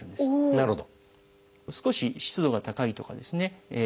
なるほど。